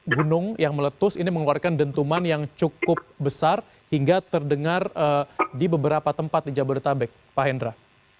gunung yang meletus ini mengeluarkan dentuman yang cukup besar hingga terdengar di beberapa tempat di jabodetabek pak hendra